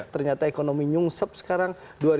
ternyata ekonomi nyungsep sekarang